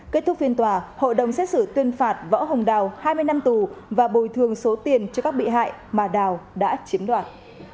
kết thúc phiên tòa hội đồng xét xử tuyên phạt võ hồng đào hai mươi năm tù và bồi thường số tiền cho các bị hại mà đào đã chiếm đoạt